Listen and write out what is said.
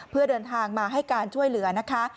เพื่อเดินทางมาให้การช่วยเหลือนะคะ